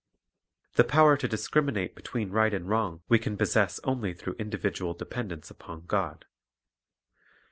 The power to discriminate between right and wrong we can possess only through individual dependence upon God.